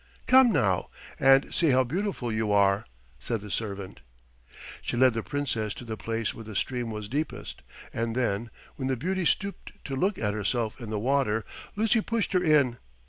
"Come now, and see how beautiful you are," said the servant. She led the Princess to the place where the stream was deepest, and then, when the beauty stooped to look at herself in the water, Lucy pushed her in.